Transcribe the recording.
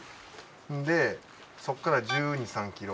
でそこから１２１３ｋｍ。